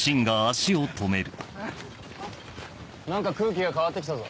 何か空気が変わってきたぞ？